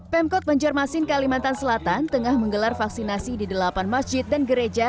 pemkot banjarmasin kalimantan selatan tengah menggelar vaksinasi di delapan masjid dan gereja